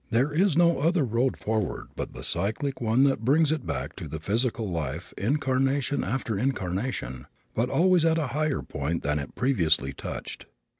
There is no other road forward but the cyclic one that brings it back to the physical life incarnation after incarnation, but always at a higher point than it previously touched.